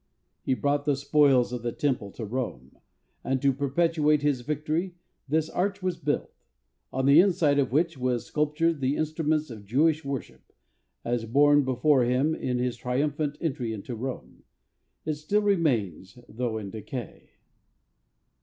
He brought the spoils of the Temple to Rome, and to perpetuate his victory, this arch was built; on the inside of which w as sculptured the instru¬ ments of Jewish worship, as borne before him in his triumphant entry into Rome. It still remains, though in decay.